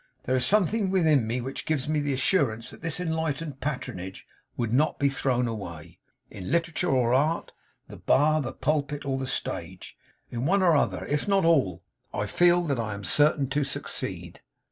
'There is something within me which gives me the assurance that this enlightened patronage would not be thrown away. In literature or art; the bar, the pulpit, or the stage; in one or other, if not all, I feel that I am certain to succeed.